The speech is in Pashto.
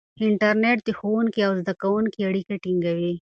انټرنیټ د ښوونکي او زده کوونکي اړیکه ټینګوي.